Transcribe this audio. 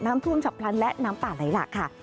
น้ำท่วมฉับพลันและน้ำป่าไหลหลากค่ะ